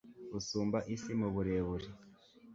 busumba isi mu burebure